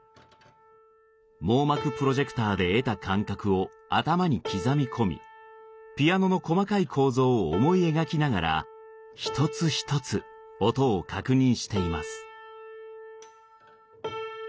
網膜プロジェクターで得た感覚を頭に刻み込みピアノの細かい構造を思い描きながら一つ一つ音を確認しています。